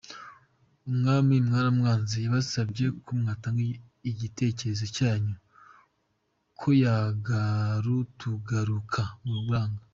Umwami mwaramwanze yabasabye komwatanga igitekerezo cyanyu koyagarutugaruka muranga